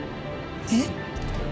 えっ？